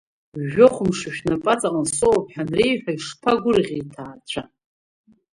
Жәохә мшы шәнапаҵаҟа сыҟоуп ҳәа анреиҳәа, ишԥагәырӷьеи иҭаацәа!